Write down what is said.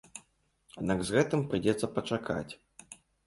Аднак з гэтым прыйдзецца пачакаць.